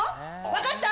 分かった！？